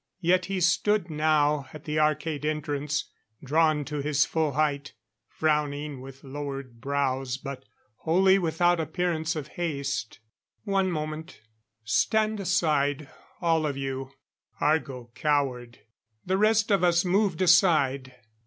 Yet he stood now at the arcade entrance, drawn to his full height, frowning with lowered brows, but wholly without appearance of haste. "One moment stand aside, all of you." Argo cowered. The rest of us moved aside.